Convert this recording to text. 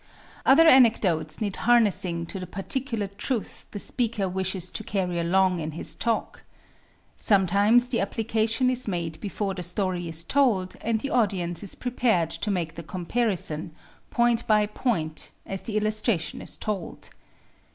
Other anecdotes need harnessing to the particular truth the speaker wishes to carry along in his talk. Sometimes the application is made before the story is told and the audience is prepared to make the comparison, point by point, as the illustration is told.